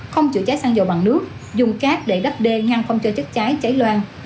không chứa cháy xăng dầu bằng nước dùng cát để đắp đê ngăn không cho chất cháy cháy loang